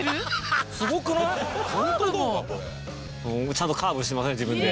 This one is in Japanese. ちゃんとカーブしてますね自分で。